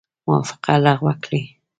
موافقه لغو کړي.